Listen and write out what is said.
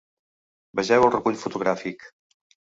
Vegeu el recull fotogràfic .